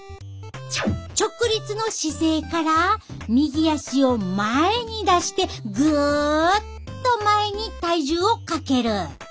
直立の姿勢から右足を前に出してぐっと前に体重をかける。